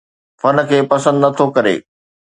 فن کي پسند نٿو ڪري